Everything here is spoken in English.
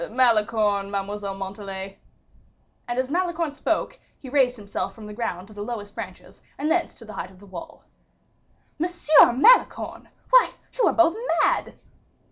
"Malicorne, Mademoiselle Montalais." And as Malicorne spoke, he raised himself from the ground to the lowest branches, and thence to the height of the wall. "Monsieur Malicorne! why, you are both mad!"